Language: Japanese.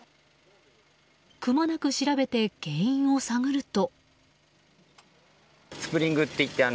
くまなく調べて原因を探ると。